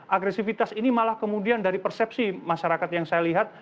agresivitas ini malah kemudian dari persepsi masyarakat yang saya lihat